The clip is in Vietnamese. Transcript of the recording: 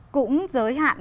cũng giới hạn